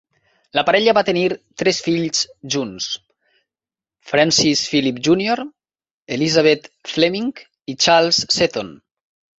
La parella van tenir tres fills junts: Francis Philip Junior, Elizabeth Fleming i Charles Seton.